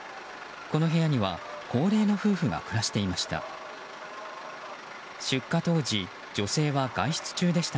この部屋には高齢の夫婦が暮らしていました。